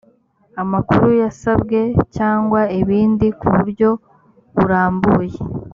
amakuru yasabwe cyangwa ibindi kuburyo burambuye